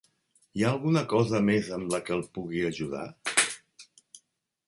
Hi ha alguna cosa més amb la que el pugui ajudar?